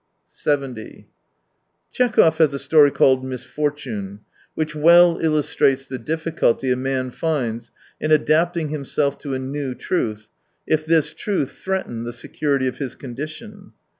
70 Tchekhov has a story called Misfortwie which well illustrates the difficulty a man finds in adapting himself to a new truth, if this truth threaten the security of his condition.